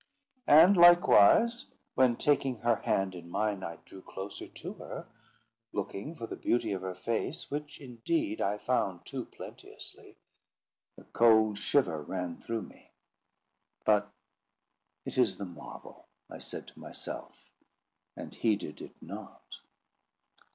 And likewise, when, taking her hand in mine, I drew closer to her, looking for the beauty of her face, which, indeed, I found too plenteously, a cold shiver ran through me; but "it is the marble," I said to myself, and heeded it not.